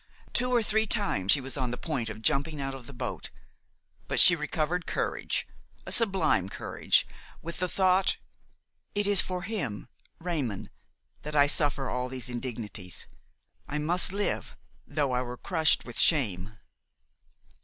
Two or three times she was on the point of jumping out of the boat; but she recovered courage, a sublime courage, with the thought: " It is for him, Raymon, that I suffer all these indignities. I must live though I were crushed with shame!"